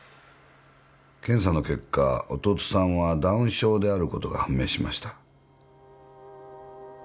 検査の結果弟さんはダウン症であることが判明しました